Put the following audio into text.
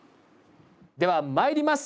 ではまいります。